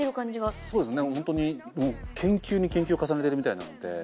ホントに研究に研究を重ねてるみたいなので。